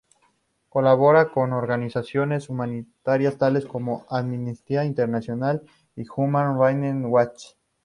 Colabora con organizaciones humanitarias tales como Amnistía Internacional y Human Rights Watch.